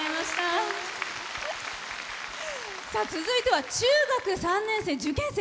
続いては中学３年、受験生。